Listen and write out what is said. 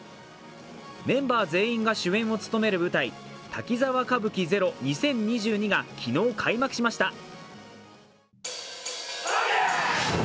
メンバー全員が主演を務める舞台、「滝沢歌舞伎ＺＥＲＯ２０２２」が昨日、開幕しました。